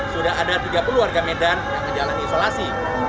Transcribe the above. sudah ada tiga puluh warga medan yang menjalani isolasi